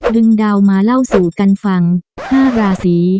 ดาวมาเล่าสู่กันฟัง๕ราศี